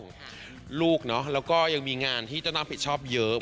ปกป้องลูกเนาะแล้วก็ยังมีงานที่เจ้านางผิดชอบเยอะ